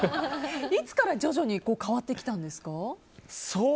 いつから徐々に変わってきたんですか？